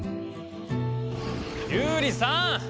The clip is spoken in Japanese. ユウリさん！